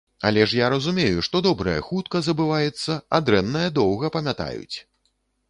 Але ж я разумею, што добрае хутка забываецца, а дрэннае доўга памятаюць!